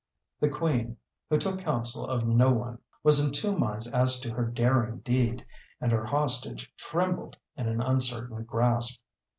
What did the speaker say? The Queen, who took counsel of no one, was in two minds as to her daring deed, and her hostage trembled in an uncertain grasp.